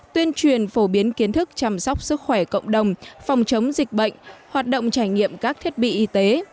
tuyên truyền phổ biến kiến thức chăm sóc sức khỏe cộng đồng phòng chống dịch bệnh hoạt động trải nghiệm các thiết bị y tế